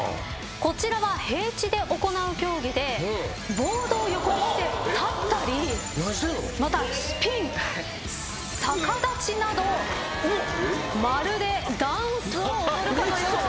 こちらは平地で行う競技でボードを横にして立ったりまたスピン逆立ちなどまるでダンスを踊るかのよう。